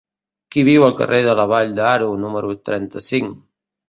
Qui viu al carrer de la Vall d'Aro número trenta-cinc?